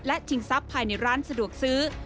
และชิงทรัพย์ภายในร้านสะดวกซื้อ